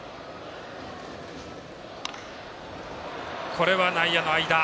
これは内野の間。